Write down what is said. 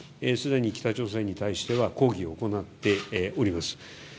すでに北朝鮮に対しては抗議を行っております。